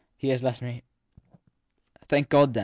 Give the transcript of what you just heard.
He has left me. Thank God, then